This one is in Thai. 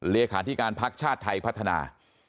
เลขาธิการพักชาติไทยพัฒนา